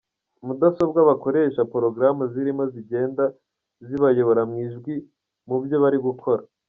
Mudasobwa bakoresha porogaramu zirimo zigenda zibayobora mu ijwi mu byo bari gukora.